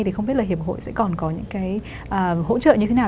thì không biết là hiệp hội sẽ còn có những cái hỗ trợ như thế nào